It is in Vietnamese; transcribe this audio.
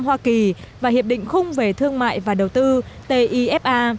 hoa kỳ và hiệp định khung về thương mại và đầu tư tifa